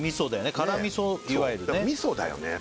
辛味噌いわゆるね味噌だよね